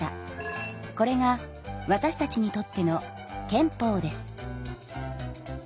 これがわたしたちにとっての憲法です。